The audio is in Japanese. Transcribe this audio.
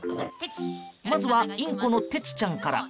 まずはインコのテチちゃんから。